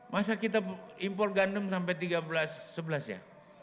masa kita impor gandum sampai tiga belas sebelas ya